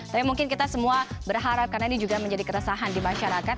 tapi mungkin kita semua berharap karena ini juga menjadi keresahan di masyarakat